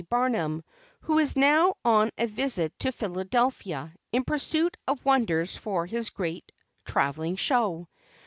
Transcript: Barnum, who is now on a visit to Philadelphia in pursuit of wonders for his great travelling show.